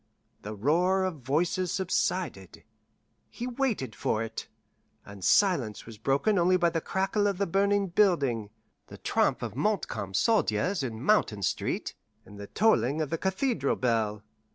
The roar of voices subsided he waited for it and silence was broken only by the crackle of the burning building, the tramp of Montcalm's soldiers in Mountain Street, and the tolling of the cathedral bell.